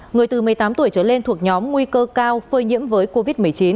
người từ một mươi tám tuổi trở lên thuộc nhóm nguy cơ cao phơi nhiễm với covid một mươi chín